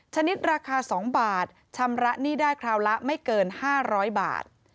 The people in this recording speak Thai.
ชนิดราคา๒บาทชำระหนี้ได้คราวละไม่เกิน๕๐๐บาท